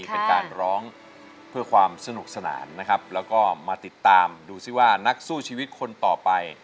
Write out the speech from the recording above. เป็นการร้องเพื่อความสนุกสนานนะครับแล้วก็มาติดตามดูซิว่านักสู้ชีวิตคนต่อไป